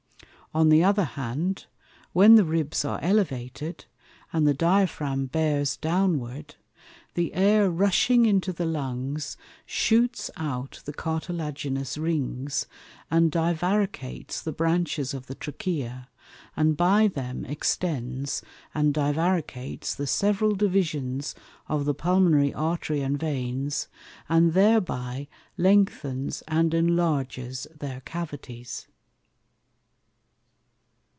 On the other hand, when the Ribs are elevated, and the Diaphragm bears downward, the Air rushing into the Lungs, shoots out the Cartilaginous Rings, and divaricates the Branches of the Trachea, and by them extends and divaricates the several Divisions of the Pulmonary Artery and Veins, and thereby lengthens and enlarges their Cavities.